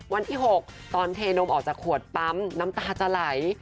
วันที่๖ตอนเทนมออกจากขวดปั๊มน้ำตาจะไหล